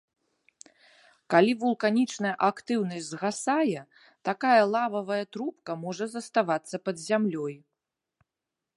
Калі вулканічная актыўнасць згасае, такая лававыя трубка можа заставацца пад зямлёй.